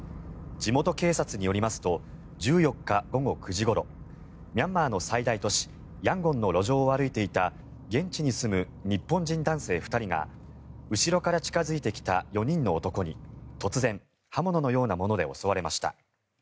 地元警察によりますと１４日午後９時ごろミャンマーの最大都市ヤンゴンの路上を歩いていた現地に住む日本人男性２人が後ろから近付いてきた４人の男に突然刃物のようなもので襲われました。